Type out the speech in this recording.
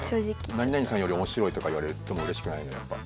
何々さんより面白いとか言われてもうれしくないのよやっぱ。